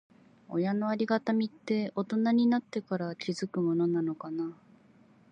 親のありがたみって、大人になってから気づくものなのかな。